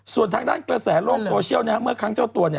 ส่วนทางด้านกระแสโลกโซเชียลเนี่ยเมื่อค้างเจ้าตัวนี่